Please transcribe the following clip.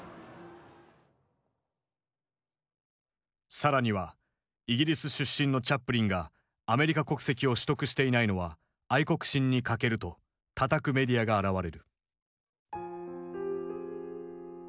更には「イギリス出身のチャップリンがアメリカ国籍を取得していないのは愛国心に欠ける」とたたくメディアが現れる。